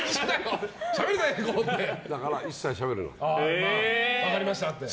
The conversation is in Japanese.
だから、一切しゃべるなって。